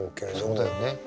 そうだよね。